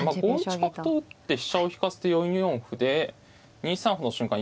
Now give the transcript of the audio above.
５一角と打って飛車を引かすと４四歩で２三歩の瞬間